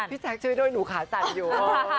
ที่เจคช่วยด้วย้วนูขาสันอยู่